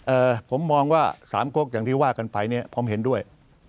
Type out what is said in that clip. เอ่อผมมองว่าสามกกอย่างที่ว่ากันไปเนี่ยผมเห็นด้วย